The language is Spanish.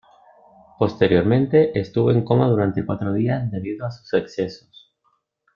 Posteriormente estuvo en coma durante cuatro días debido a sus excesos.